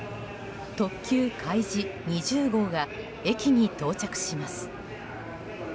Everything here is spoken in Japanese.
特急「かいじ２０号」が駅に到着します。